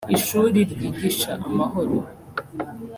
Ishuri ryigisha amahoro